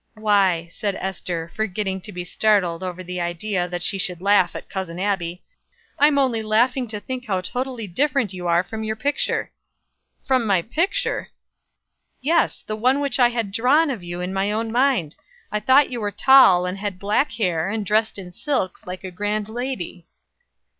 "Why," said Ester, forgetting to be startled over the idea that she should laugh at Cousin Abbie, "I'm only laughing to think how totally different you are from your picture." "From my picture!" "Yes, the one which I had drawn of you in my own mind. I thought you were tall, and had black hair, and dressed in silks, like a grand lady."